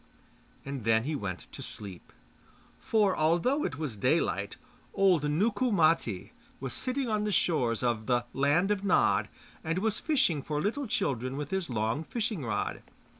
And then he went to sleep. For although it was daylight, old Nukku Matti was sitting on the shores of the 'Land of Nod,' and was fishing for little children with his long fishing rod.